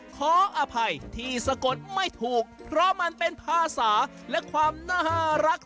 ขออภัยที่สะกดไม่ถูกเพราะมันเป็นภาษาและความน่ารัก